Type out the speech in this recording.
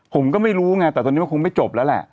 ผมก็ไม่รู้ไงแต่ตอนนี้มันคงไม่จบแล้วแหละ